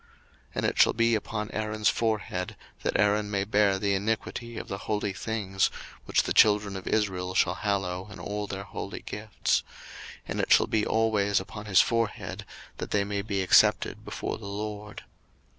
02:028:038 And it shall be upon Aaron's forehead, that Aaron may bear the iniquity of the holy things, which the children of Israel shall hallow in all their holy gifts; and it shall be always upon his forehead, that they may be accepted before the LORD.